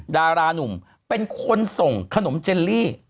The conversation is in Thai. ดารานุ่มเป็นคนส่งขนมเจลลี่